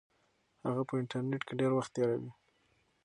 هغه په انټرنیټ کې ډېر وخت تیروي.